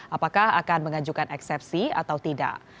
apakah akan mengajukan eksepsi atau tidak